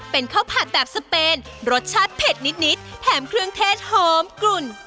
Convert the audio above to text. เป็นข้าวผัดแบบสเปนรสชาติเผ็ดนิดแถมเครื่องเทศหอมกลุ่น